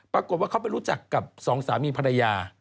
ปรากฏว่าเขาไปรู้จักกับสองสามีภรรยา